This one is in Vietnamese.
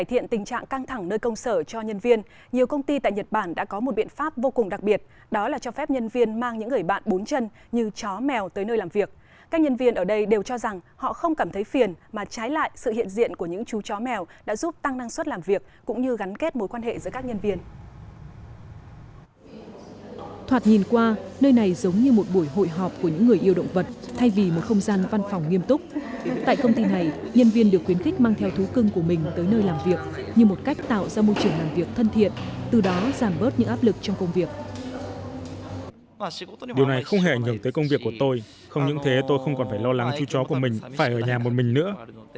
điều này không hề ảnh hưởng tới công việc của tôi không những thế tôi không còn phải lo lắng chú chó của mình phải ở nhà một mình nữa